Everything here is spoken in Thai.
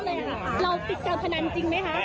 เราปิดการพนันจริงไหมคะ